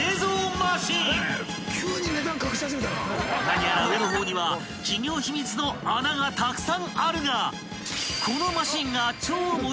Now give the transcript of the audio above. ［何やら上の方には企業秘密の穴がたくさんあるが］